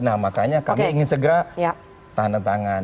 nah makanya kami ingin segera tahanan tangan